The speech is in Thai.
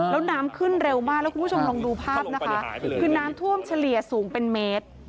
แล้วน้ำขึ้นเร็วมากแล้วคุณผู้ชมลองดูภาพนะคะคือน้ำท่วมเฉลี่ยสูงเป็นเมตร